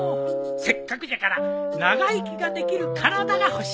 せっかくじゃから「長生きができる体」が欲しいのう。